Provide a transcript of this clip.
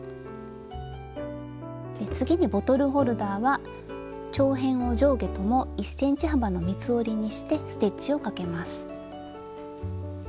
次にボトルホルダーは長辺を上下とも１ｃｍ幅の三つ折りにしてステッチをかけます。